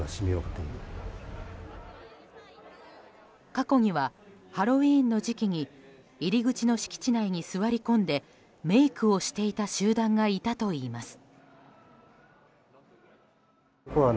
過去にはハロウィーンの時期に入り口の敷地内に座り込んでメイクをしていた集団がいたといいます。